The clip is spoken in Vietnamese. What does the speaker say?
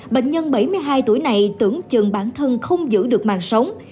bệnh nhân bảy mươi hai tuổi này tưởng chừng bản thân không giữ được màn sống